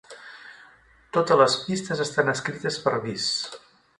Totes les pistes estan escrites per Bis.